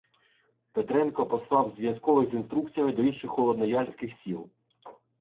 Петренко послав зв'язкових з інструкціями до інших холодноярських сіл.